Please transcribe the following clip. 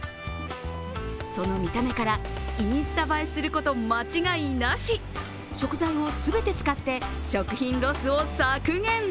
その見た目からインスタ映えすること間違いなし、食材を全て使って食品ロスを削減。